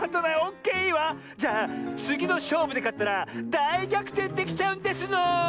じゃあつぎのしょうぶでかったらだいぎゃくてんできちゃうんですの。